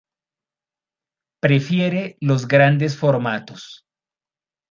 Prefiere los grandes formatos.